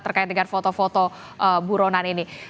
terkait dengan foto foto buronan ini